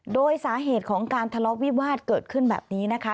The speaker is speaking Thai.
โดยสาเหตุของการทะเลาะวิวาสเกิดขึ้นแบบนี้นะคะ